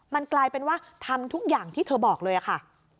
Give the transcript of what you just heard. มันกลายเป็นว่าทำทุกอย่างที่เธอบอกเลยค่ะ